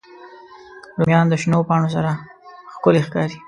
رومیان د شنو پاڼو سره ښکلي ښکاري